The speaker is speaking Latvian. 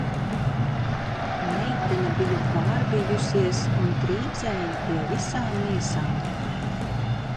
Meitene bija pārbijusies un trīcēja pie visām miesām